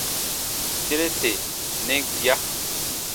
Tire tè nɛn gia.